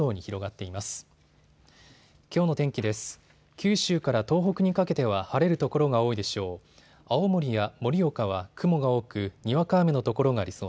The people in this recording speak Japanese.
九州から東北にかけては晴れる所が多いでしょう。